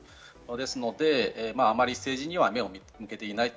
ですので、あまり政治には目を向けていない。